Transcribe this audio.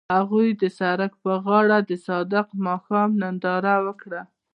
هغوی د سړک پر غاړه د صادق ماښام ننداره وکړه.